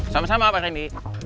sama sama pak randy